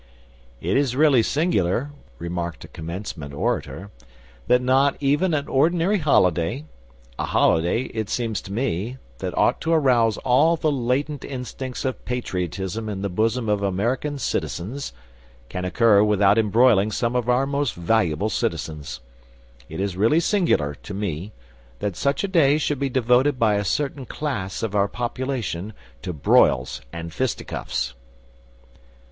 "It is really singular," remarked a commencement orator, "that not even an ordinary holiday a holiday, it seems to me, that ought to arouse all the latent instincts of patriotism in the bosom of American citizens can occur without embroiling some of our most valuable citizens. It is really singular to me that such a day should be devoted by a certain class of our population to broils and fisticuffs."